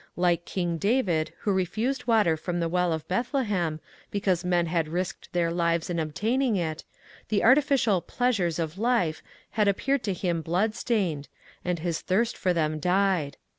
Like King David who refused water from the well of Bethlehem because men had risked their lives in obtaining it, the artificial ^^ pleasures " of life had appeared to him blood stained, and his thirst for them died.